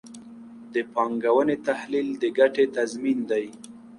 د پانګونې تحلیل د ګټې تضمین دی.